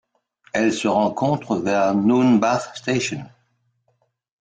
Elle se rencontre vers Noonbah Station.